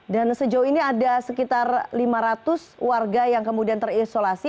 dan sejauh ini ada sekitar lima ratus warga yang kemudian terisolasi